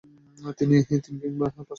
তিনি তিন কিংবা পাঁচ নম্বরে ব্যাটিংয়ে নামেন।